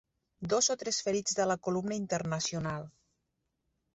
Dos o tres ferits de la Columna Internacional